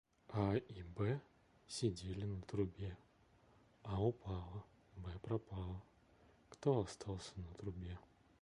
А, И, Б сидели на трубе. А упала, Б пропала. Кто остался на трубе?